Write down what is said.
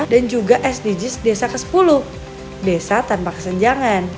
dan juga sdgs desa ke sepuluh desa tanpa kesenjangan